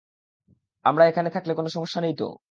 আমরা এখানে থাকলে কোনো সমস্যা নেই তো?